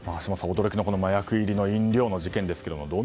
驚きの麻薬入りの飲料の事件